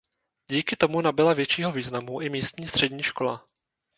Díky tomu nabyla většího významu i místní střední škola.